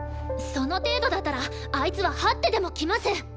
その程度だったらあいつははってでも来ます。